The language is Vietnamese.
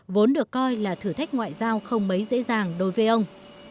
vốn được coi là thử thách ngoại giao không mấy dễ dàng đối với ông